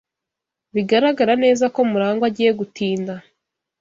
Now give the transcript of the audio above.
Biragaragara neza ko Murangwa agiye gutinda.